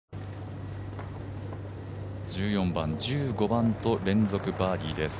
１４番、１５番と連続バーディーです。